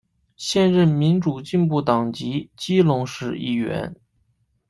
现任民主进步党籍基隆市议员。